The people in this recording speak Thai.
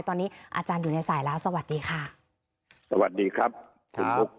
ตอนนี้อาจารย์อยู่ในสายแล้วสวัสดีค่ะสวัสดีครับคุณบุ๊ค